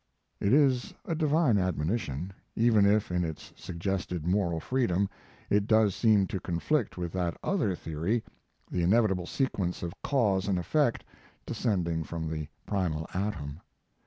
It is a divine admonition, even if, in its suggested moral freedom, it does seem to conflict with that other theory the inevitable sequence of cause and effect, descending from the primal atom.